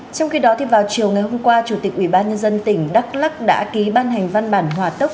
trong khi đó thì vào chiều ngày hôm qua chủ tịch ubnd tỉnh đắk lắc đã ký ban hành văn bản hòa tốc